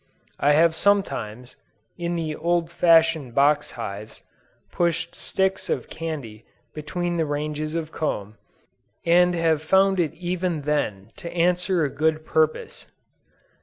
I have sometimes, in the old fashioned box hives, pushed sticks of candy between the ranges of comb, and have found it even then to answer a good purpose.